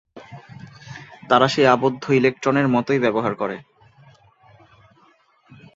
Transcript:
তারা সেই আবদ্ধ ইলেকট্রনের মতোই ব্যবহার করে।